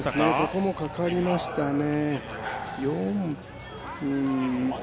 ここもかかりましたね